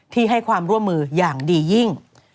ให้ความร่วมมืออย่างดียิ่ง